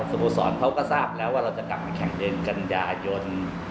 สโมสรเขาก็ทราบแล้วว่าเราจะกลับมาแข่งเดือนกันยายน